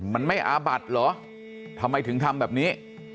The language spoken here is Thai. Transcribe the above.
มันไม่อาบัดเหรอทำไมถึงทำแบบนี้